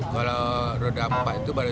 kalau roda empat itu baru